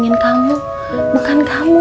mereka pengen kamu makan kamu